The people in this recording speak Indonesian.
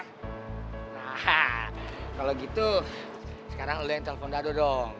nah kalau gitu sekarang udah yang telepon dado dong